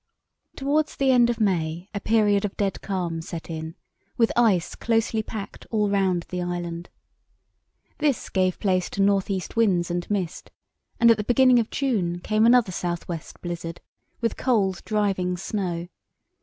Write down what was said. Towards the end of May a period of dead calm set in, with ice closely packed all round the island. This gave place to north east winds and mist, and at the beginning of June came another south west blizzard, with cold driving snow.